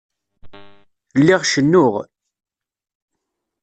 Lliɣ cennuɣ.